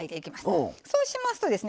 そうしますとですね